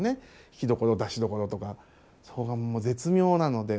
引きどころ出しどころとかそこが絶妙なので。